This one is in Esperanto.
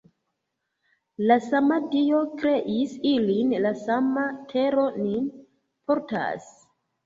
La sama Dio kreis ilin, la sama tero nin portas.